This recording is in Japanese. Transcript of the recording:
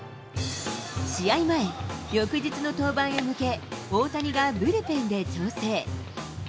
試合前、翌日の登板へ向け、大谷がブルペンで調整。